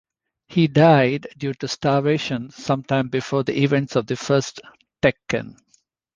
He died due to starvation sometime before the events of the first "Tekken".